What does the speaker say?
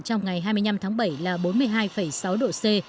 trong ngày hai mươi năm tháng bảy là bốn mươi hai sáu độ c